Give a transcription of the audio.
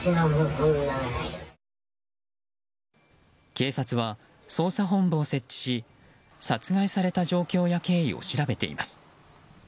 警察は捜査本部を設置し殺害された状況や経緯を調べています。